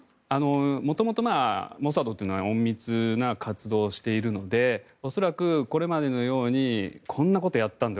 元々、モサドは隠密な活動をしているので恐らくこれまでのようにこんなことあったんだよ